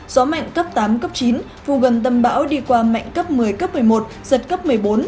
gió mạnh cấp tám cấp chín vùng gần tâm bão đi qua mạnh cấp một mươi cấp một mươi một giật cấp một mươi bốn